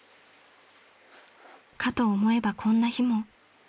［かと思えばこんな日も］